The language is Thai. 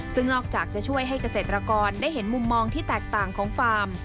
ซึ่งนอกจากจะช่วยให้เกษตรกรได้เห็นมุมมองที่แตกต่างของฟาร์ม